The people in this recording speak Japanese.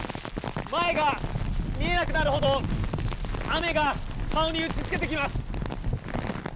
前が見えなくなるほど雨が顔に打ち付けてきます。